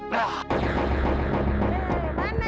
tentu saja sani tentu